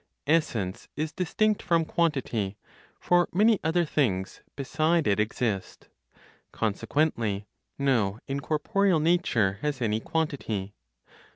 Essence is distinct from quantity; for many other things beside it exist. Consequently no incorporeal nature has any quantity.